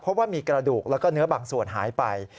เพราะว่ามีกระดูกแล้วก็เนื้อบางส่วนหายไป